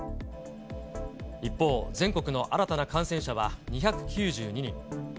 一方、全国の新たな感染者は２９２人。